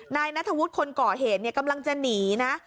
นายนัทวุธคนก่อเหตุเนี่ยกำลังจะหนีนะ